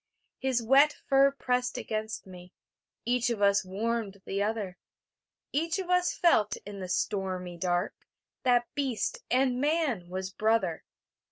His wet fur pressed against me; Each of us warmed the other; Each of us felt in the stormy dark That beast and man was brother.